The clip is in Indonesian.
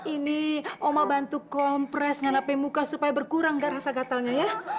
ini oma bantu kompres ngana pemuka supaya berkurang gak rasa gatelnya ya